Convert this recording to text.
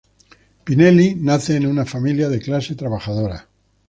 Pinelli nace en una familia de clase trabajadora.